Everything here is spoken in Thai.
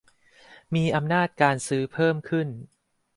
มีอำนาจการซื้อเพิ่มขึ้น